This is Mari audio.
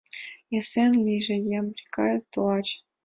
Эсен лийже, Ямбика тулаче!